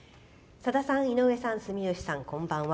「さださん、井上さん住吉さん、こんばんは。